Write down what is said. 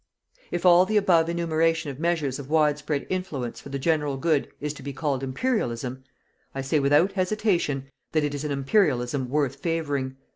If all the above enumeration of measures of widespread influence for the general good is to be called Imperialism, I say without hesitation that it is an Imperialism worth favouring.